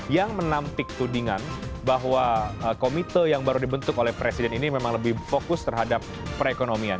yang menampik tudingan bahwa komite yang baru dibentuk oleh presiden ini memang lebih fokus terhadap perekonomian